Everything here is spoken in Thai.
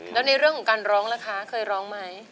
แล้วในเรื่องของการร้องล่ะคะเคยร้องไหม